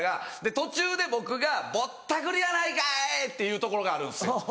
途中で僕が「ぼったくりやないかい！」って言うところがあるんですよ。